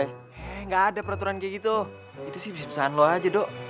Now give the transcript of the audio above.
eh gak ada peraturan kayak gitu itu sih bisa bisaan lo aja dok